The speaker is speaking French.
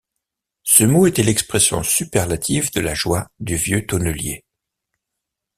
Ce mot était l’expression superlative de la joie du vieux tonnelier.